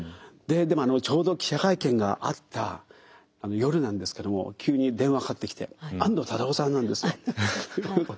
ででもちょうど記者会見があった夜なんですけども急に電話かかってきて安藤忠雄さんなんですよ。